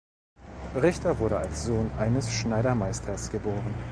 Richter wurde als Sohn eines Schneidermeisters geboren.